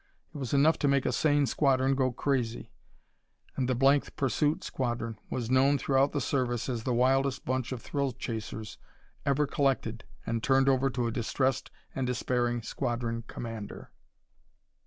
It was enough to make a sane squadron go crazy, and the th Pursuit Squadron was known throughout the service as the wildest bunch of thrill chasers ever collected and turned over to a distressed and despairing squadron commander.